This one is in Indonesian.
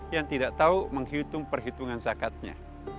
yang tidak tahu menghitung perhitungan zakatnya